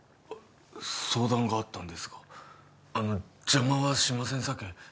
相談があったんですがあの邪魔はしませんさけ